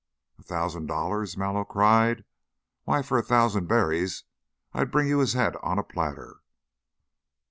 "A thousand dollars!" Mallow cried. "Why, for a thousand berries I'll bring you his head on a platter.